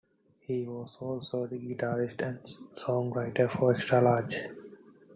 He was also the guitarist and songwriter for Xtra Large.